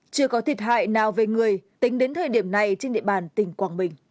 chưa có thiệt hại nào về người tính đến thời điểm này trên địa bàn tỉnh quảng bình